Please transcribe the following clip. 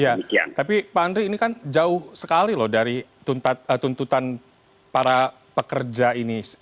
ya tapi pak andri ini kan jauh sekali loh dari tuntutan para pekerja ini